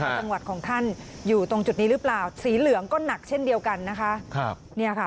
จังหวัดของท่านอยู่ตรงจุดนี้หรือเปล่าสีเหลืองก็หนักเช่นเดียวกันนะคะ